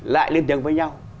lại liên tưởng với nhau